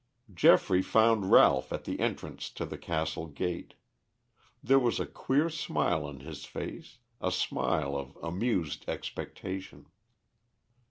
Geoffrey found Ralph at the entrance to the castle gate. There was a queer smile on his face, a smile of amused expectation.